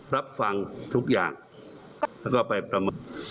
รับฟังทุกอย่างแล้วก็ไปประเมิน